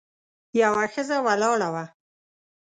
یوه ښځه ولاړه وه.